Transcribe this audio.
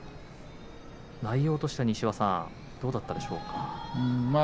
内容としては西岩さんどうだったですか。